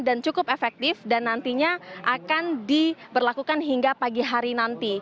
dan cukup efektif dan nantinya akan diberlakukan hingga pagi hari nanti